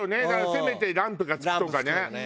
せめてランプがつくとかね。